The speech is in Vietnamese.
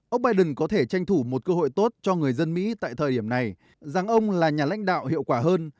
ông biden có thể tranh thủ một cơ hội tốt cho người dân mỹ tại thời điểm này rằng ông là nhà lãnh đạo hiệu quả hơn